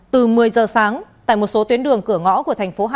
từ một mươi giờ sáng tại một số tuyến đường cửa ngõ của tp hcm